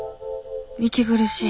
息苦しい。